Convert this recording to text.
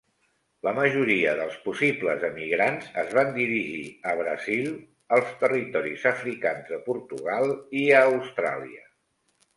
La majoria dels possibles emigrants es van dirigir a Brasil, als territoris africans de Portugal i a Austràlia.